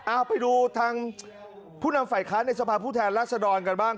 เอาไปดูทางผู้นำฝ่ายค้านในสภาพผู้แทนรัศดรกันบ้าง